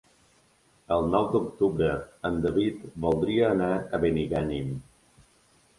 El nou d'octubre en David voldria anar a Benigànim.